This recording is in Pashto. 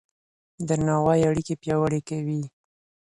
درناوی اړيکې پياوړې کوي.